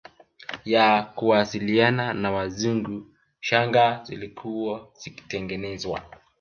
ya kuwasiliana na Wazungu shanga zilikuwa zikitengenezwa